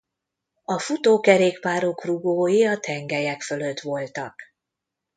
A futókerékpárok rugói a tengelyek fölött voltak.